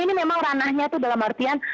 ini memang ranahnya itu dalam artian